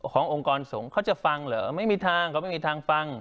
องค์กรสงฆ์เขาจะฟังเหรอไม่มีทางเขาไม่มีทางฟัง